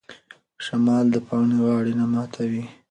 شمال د پاڼې غاړه نه ماتوي.